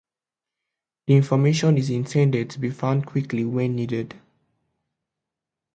The information is intended to be found quickly when needed.